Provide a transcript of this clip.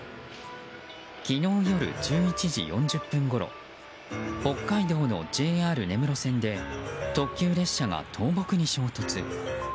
昨日夜１１時４０分ごろ北海道のＪＲ根室線で特急列車が倒木に衝突。